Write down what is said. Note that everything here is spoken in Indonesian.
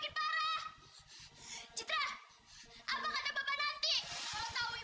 aku tidak bisa keluar dari sini